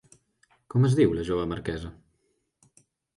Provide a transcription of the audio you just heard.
Com es diu la jove marquesa?